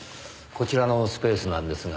こちらのスペースなんですが。